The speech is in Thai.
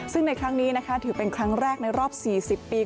ซึ่งในครั้งนี้นะคะถือเป็นครั้งแรกในรอบ๔๐ปี